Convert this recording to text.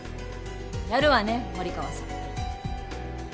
やるわね森川さん